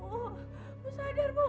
udah sadar bu